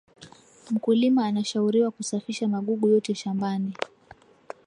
mkuliMA anashauriwa kusafisha magugu yote shambani